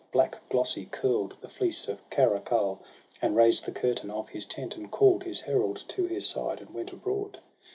Black, glossy, cmTd, the fleece of Kara Kul; And raised the curtain of his tent, and call'd His herald to his side, and went abroad.